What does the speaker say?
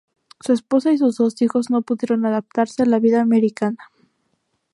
Su esposa y sus dos hijos no pudieron adaptarse a la vida americana.